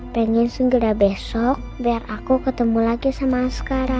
pengen segera besok biar aku ketemu lagi sama sekarang